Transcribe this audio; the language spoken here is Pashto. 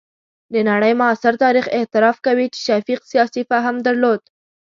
د نړۍ معاصر تاریخ اعتراف کوي چې شفیق سیاسي فهم درلود.